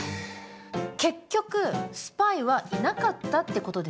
結局スパイはいなかったってことですか？